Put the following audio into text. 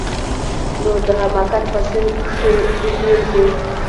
نو د حماقت په سيند کښې ډوبېږي.